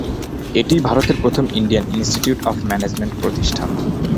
এটিই ভারতের প্রথম ইন্ডিয়ান ইনস্টিটিউট অফ ম্যানেজমেন্ট প্রতিষ্ঠান।